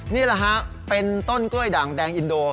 นี่แหละฮะเป็นต้นกล้วยด่างแดงอินโด